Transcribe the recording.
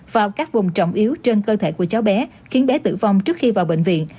vào các vùng trọng yếu trên cơ thể của cháu bé khiến bé tử vong trước khi vào bệnh viện